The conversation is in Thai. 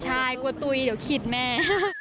ใช่กลัวตุ๋ยเดี๋ยวขีดแม่